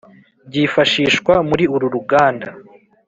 byifashishwa muri uru ruganda”